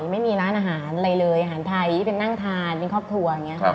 ไม่มีร้านอาหารอะไรเลยอาหารไทยเป็นนั่งทานเป็นครอบทัวร์